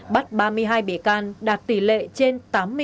bắt ba mươi hai bị can đạt tỷ lệ trên tám mươi tám chín